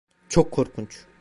Çok korkunç.